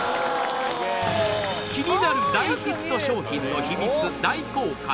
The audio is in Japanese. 気になる大ヒット商品のヒミツ大公開！